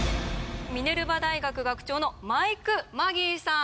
ミネルバ大学学長のマイク・マギーさん！